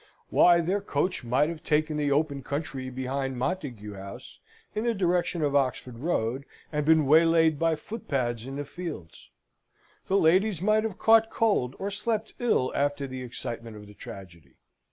Why, their coach might have taken the open country behind Montague House, in the direction of Oxford Road, and been waylaid by footpads in the fields. The ladies might have caught cold or slept ill after the excitement of the tragedy.